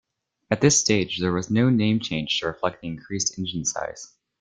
At this stage there was no name change to reflect the increased engine size.